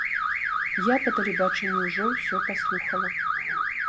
Я па тэлебачанні ўжо ўсё паслухала.